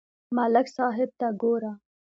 ملک صاحب ته گوره